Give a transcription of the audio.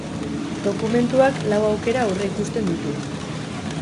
Dokumentuak lau aukera aurreikusten ditu.